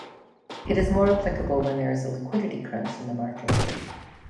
It is more applicable when there is a liquidity crunch in the market.